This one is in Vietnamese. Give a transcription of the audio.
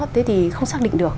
thì không xác định được